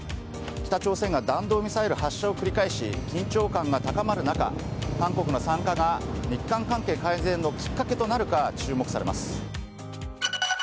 北朝鮮が弾道ミサイル発射を繰り返し、緊張感が高まる中韓国の参加が日韓関係改善のきっかけとなるか注目されます。